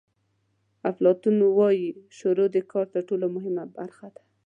افلاطون وایي شروع د کار تر ټولو مهمه برخه ده.